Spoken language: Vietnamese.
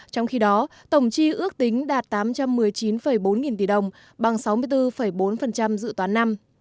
trong khi đó tổng chi ước tính đạt tám trăm một mươi chín bốn nghìn tỷ đồng bằng sáu mươi bốn bốn dự toán năm